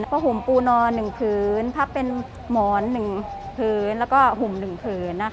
ผ้าห่มปูนอน๑ผืนพับเป็นหมอน๑พื้นแล้วก็ห่ม๑ผืน